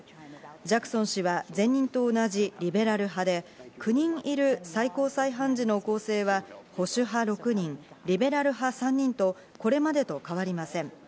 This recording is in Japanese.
ジャクソン氏は前任と同じリベラル派で、９人いる最高裁判事の構成は保守派６人、リベラル派３人と、これまでと変わりません。